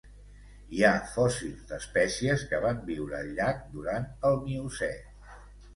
Hi ha fòssils d'espècies que van viure al llac durant el Miocè.